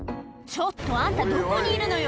ちょっとあんたどこにいるのよ